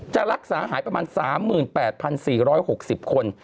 จะรักษาหายประมาณ๓๘๔๖๐คน